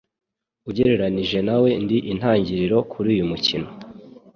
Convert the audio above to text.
Ugereranije nawe, Ndi intangiriro kuri uyu mukino.